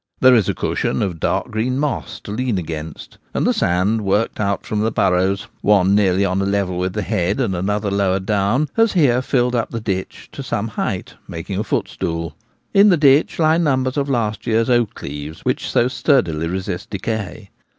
There is a cushion of dark green moss to lean against, and the sand worked out from the burrows — one nearly on a level with the head and another lower down — has here filled up the ditch to some height, making a footstool. In the ditch lie numbers of last year's oak leaves, which so sturdily resist decay.